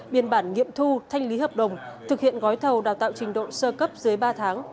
biên bản nghiệm thu thanh lý hợp đồng thực hiện gói thầu đào tạo trình độ sơ cấp dưới ba tháng